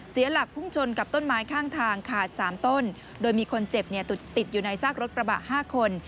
เสียหลักพุ่งชนกับต้นไม้ข้างทางขาดสามต้นโดยมีคนเจ็บเนี่ยติดอยู่ในซากรถกระบะ๕คน